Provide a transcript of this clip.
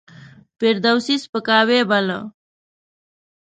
فردوسي سپکاوی باله.